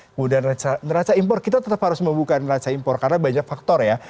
kemudian neraca impor kita tetap harus membuka neraca impor karena banyak faktor ya